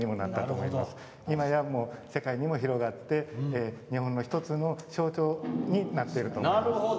いまや、世界にも広がって日本の１つの象徴になっていると思います。